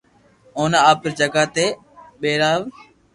اوني آپري جگھ تي ٻآراوين